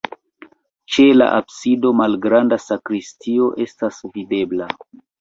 Ĉe la absido malgranda sakristio estas videbla.